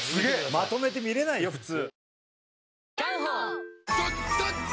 まとめて見れないよ普通。